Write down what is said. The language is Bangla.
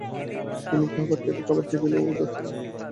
তিনি খাবার খেতে খাবার টেবিলেও যাচ্ছেন না।